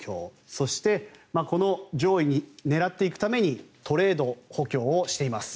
そして、この上位を狙っていくためにトレード補強をしています。